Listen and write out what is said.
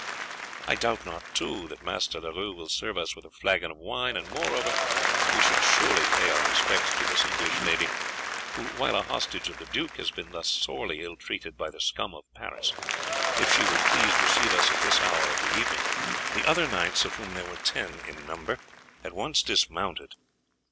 I doubt not, too, that Master Leroux will serve us with a flagon of wine; and, moreover, we should surely pay our respects to this English lady, who while a hostage of the duke has been thus sorely ill treated by the scum of Paris, if she will please receive us at this hour of the evening." The other knights, of whom there were ten in number, at once dismounted.